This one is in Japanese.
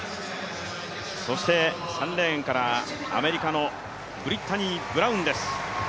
そして３レーンからアメリカのブリッタニー・ブラウンです。